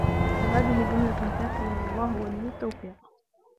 فَهَذِهِ جُمْلَةٌ كَافِيَةٌ ، وَاَللَّهُ وَلِيُّ التَّوْفِيقِ